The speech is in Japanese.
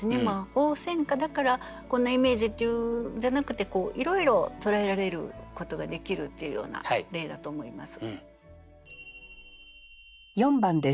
鳳仙花だからこんなイメージっていうんじゃなくていろいろ捉えられることができるっていうような例だと思います。